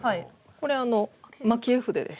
これあの蒔絵筆です。